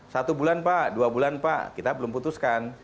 satu bulan pak dua bulan pak kita belum putuskan